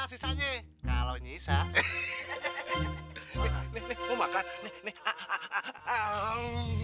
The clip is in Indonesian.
sudah doa lo mau makan